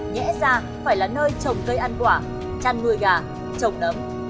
và vì sao ủy ban nhân dân huyện đông anh